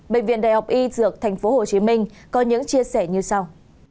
bệnh viện đại học y dược tp hcm có những chia sẻ như sau